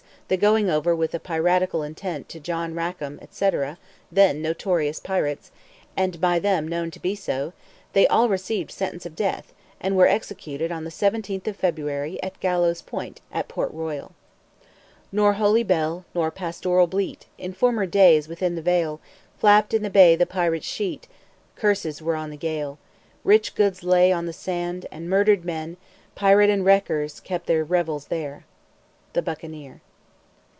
the going over with a piratical intent to John Rackam, &c. then notorious pirates, and by them known to be so, they all received sentence of death, and were executed on the 17th of February at Gallows Point at Port Royal. Nor holy bell, nor pastoral bleat, In former days within the vale. Flapped in the bay the pirate's sheet, Curses were on the gale; Rich goods lay on the sand, and murdered men, Pirate and wreckers kept their revels there. THE BUCCANEER.